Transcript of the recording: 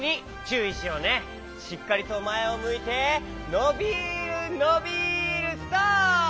しっかりとまえをむいてのびるのびるストップ！